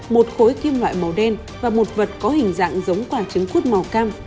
một khối kim loại màu đen và một vật có hình dạng giống quả trứng cút màu cam